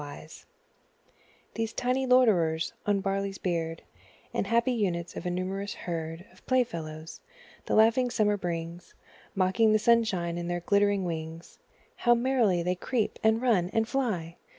Insects These tiny loiterers on the barley's beard, And happy units of a numerous herd Of playfellows, the laughing Summer brings, Mocking the sunshine in their glittering wings, How merrily they creep, and run, and fly!